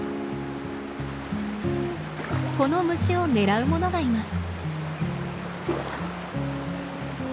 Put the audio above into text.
この虫を狙うものがいます。